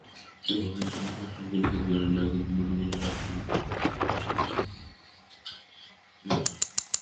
হরিমোহিনী সুচরিতাকে স্পষ্ট করিয়া নিষেধ করিলেন না কিন্তু মনে মনে রাগ করিলেন।